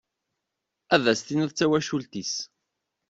Ad as-tiniḍ d tawacult-is.